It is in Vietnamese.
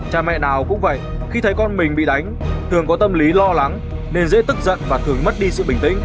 cha mẹ nào cũng vậy khi thấy con mình bị đánh thường có tâm lý lo lắng nên dễ tức giận và thường mất đi sự bình tĩnh